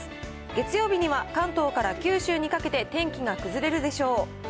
月曜日には関東から九州にかけて、天気が崩れるでしょう。